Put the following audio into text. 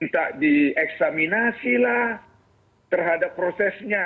tak dieksaminasilah terhadap prosesnya